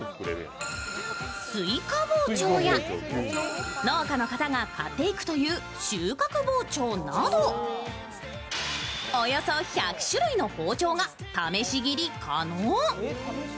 すいか包丁や、農家の方が買っていくという収穫包丁などおよそ１００種類の包丁が試し切り可能。